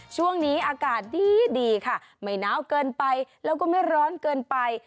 ช่วงนี้อากาศดีดีค่ะไม่น้าวเกินไปแล้วก็ไม่ร้อนเกินไป